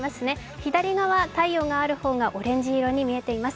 左側、太陽がある方がオレンジ色に見えています。